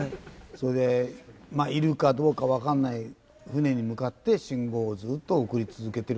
それでいるかどうかわからない船に向かって信号をずっと送り続けてるわけですよ。